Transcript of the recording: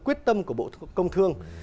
quyết tâm của bộ công thương